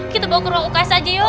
kita bawa ke ruang uks aja yuk